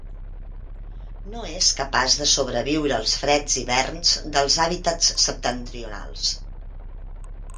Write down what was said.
No és capaç de sobreviure els freds hiverns dels hàbitats septentrionals.